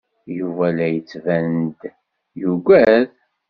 Yuba la yettban-d yugad.